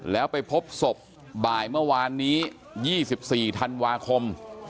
แล้วไปพบศพบ่ายเมื่อวานนี้ยี่สิบสี่ธันวาคม